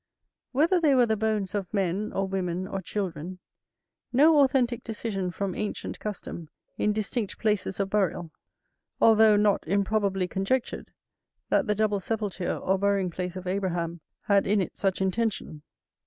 _ Whether they were the bones of men, or women, or children, no authentic decision from ancient custom in distinct places of burial. Although not improbably conjectured, that the double sepulture, or burying place of Abraham, had in it such intention.